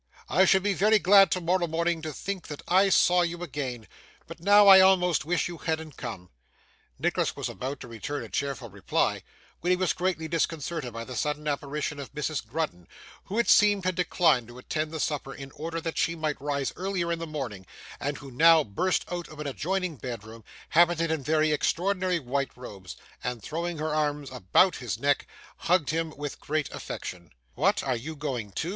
I shall be very glad tomorrow morning to think that I saw you again, but now I almost wish you hadn't come.' Nicholas was about to return a cheerful reply, when he was greatly disconcerted by the sudden apparition of Mrs. Grudden, who it seemed had declined to attend the supper in order that she might rise earlier in the morning, and who now burst out of an adjoining bedroom, habited in very extraordinary white robes; and throwing her arms about his neck, hugged him with great affection. 'What! Are you going too?